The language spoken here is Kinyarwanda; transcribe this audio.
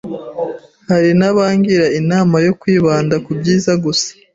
Hari n’abangira inama yo kwibanda ku byiza gusa